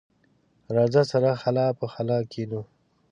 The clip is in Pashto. راځه، سره خله په خله کېنو.